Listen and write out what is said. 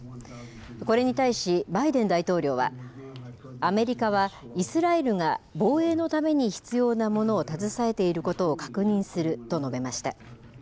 これに対し、バイデン大統領は、アメリカはイスラエルが防衛のために必要なものを携えていることを確認すると述べました。